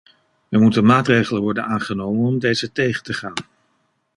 Er moeten maatregelen worden aangenomen om deze tegen te gaan.